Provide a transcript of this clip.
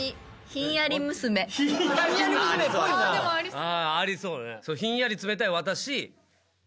「ひんやり冷たーい私」